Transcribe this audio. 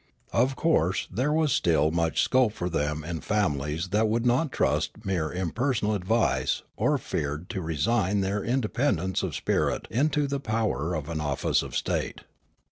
Of course there was still much scope for them in families that would not trust mere impersonal advice or feared to resign their inde pendence of spirit into the power of an office of state.